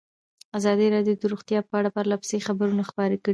ازادي راډیو د روغتیا په اړه پرله پسې خبرونه خپاره کړي.